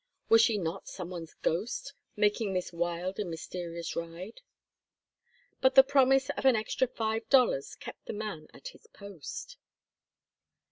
Was she not some one's ghost, making this wild and mysterious ride? But the promise of an extra five dollars kept the man at his post.